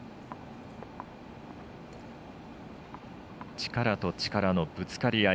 力と力のぶつかり合い。